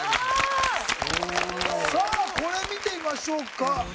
さあこれ見てみましょうか。